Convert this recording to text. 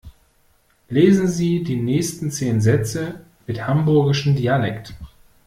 Lesen Sie die nächsten zehn Sätze mit hamburgischem Dialekt.